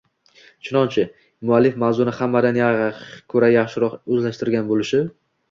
Chunonchi, muallif mavzuni hammadan ko‘ra yaxshiroq o‘zlashtirgan bo‘lishi